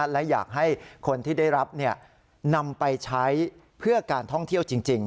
และอยากให้คนที่ได้รับนำไปใช้เพื่อการท่องเที่ยวจริง